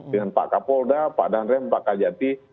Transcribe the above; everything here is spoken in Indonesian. dengan pak kapolda pak danrem pak kajati